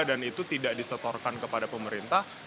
dan itu tidak disetorkan ke pemerintah